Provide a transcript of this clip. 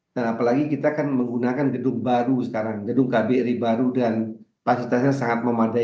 dan apalagi kita kan menggunakan gedung baru sekarang gedung kbri baru dan fasilitasnya sangat memadai